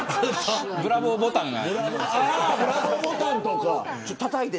ブラボーボタンが。